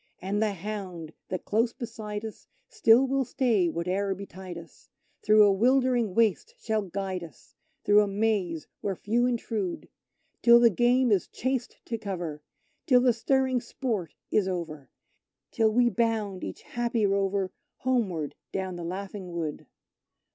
And the hound that close beside us still will stay whate'er betide us Through a 'wildering waste shall guide us through a maze where few intrude, Till the game is chased to cover, till the stirring sport is over, Till we bound, each happy rover, homeward down the laughing wood.